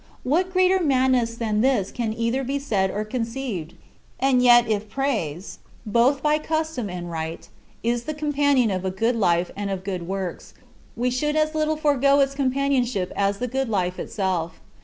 What greater madness than this can be either said or conceived? And yet if praise, both by custom and right, is the companion of a good life and of good works, we should as little forgo its companionship as the good life itself.